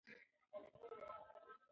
دې لیدنې زما په زړه کې نوې هیلې پیدا کړې.